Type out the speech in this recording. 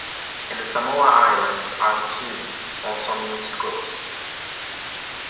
In the Samoa Islands, "aitu" also means ghost.